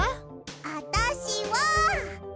あたしは。